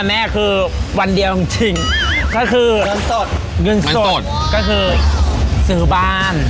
แม่คือวันเดียวจริงก็คือเงินสดเงินสดก็คือซื้อบ้าน